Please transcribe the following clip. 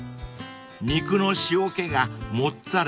［肉の塩気がモッツァレラ